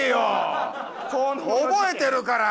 覚えてるから！